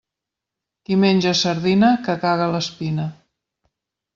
Qui menja sardina, que cague l'espina.